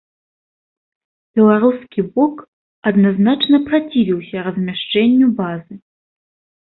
Беларускі бок адназначна працівіўся размяшчэнню базы.